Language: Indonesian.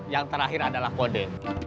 yang terakhir adalah kode